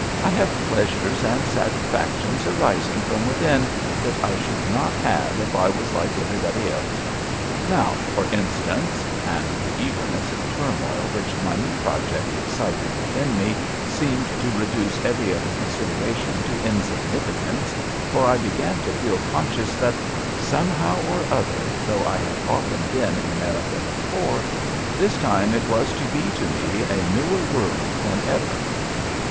I have pleasures and satisfactions arising from within that I should not have if I was like everybody else. Now, for instance:" and the eagerness and turmoil which my new project excited within me seemed to reduce every other consideration to insignificance, for I began to feel conscious that, somehow or other, though I had often been in America before, this time it was to be to me a newer world than ever.